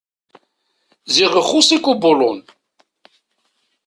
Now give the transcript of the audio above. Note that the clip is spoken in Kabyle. Ziɣ ixuṣ-ik ubulun!